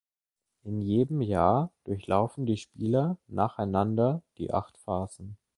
In jedem Jahr durchlaufen die Spieler nacheinander die acht Phasen.